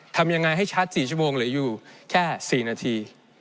ทำยังไงให้ชัด๔ชั่วโมงเหลืออยู่แค่๔นาที